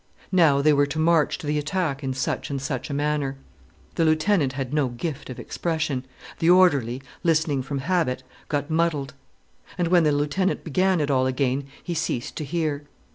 Now they were to march to the attack in such and such a manner. The lieutenant had no gift of expression. The orderly, listening from habit, got muddled. And when the lieutenant began it all again he ceased to hear.